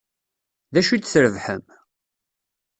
D acu i d-trebḥem?